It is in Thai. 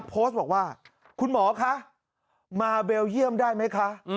โพสต์บอกว่าคุณหมอคะมาเบลเยี่ยมได้ไหมคะ